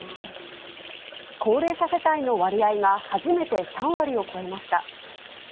高齢者世帯の割合が、初めて３割を超えました。